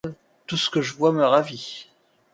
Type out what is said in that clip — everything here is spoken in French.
Tout ce que je vois me ravit.